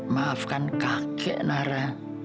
maafkan kakek nara